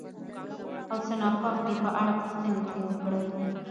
او څه ناخوښ دي په اړه پوښتنې ترې وکړئ،